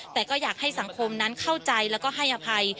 แต่ก็อยากให้สังคมนั้นเข้าใจแล้วก็ให้อภัย